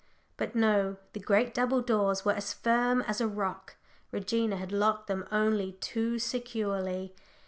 But no the great double doors were as firm as a rock. Regina had locked them only too securely!